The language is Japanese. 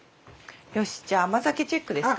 よしじゃあ甘酒チェックですか？